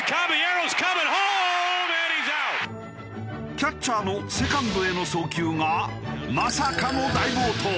キャッチャーのセカンドへの送球がまさかの大暴投。